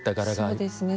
そうですね。